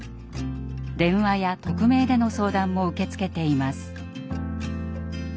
電話や匿名での相談も受け付けています。